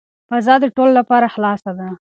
فضا د ټولو لپاره خلاصه ده.